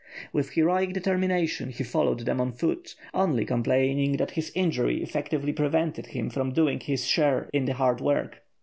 With heroic determination he followed them on foot, only complaining that his injury effectively prevented him from doing his share in the hard work.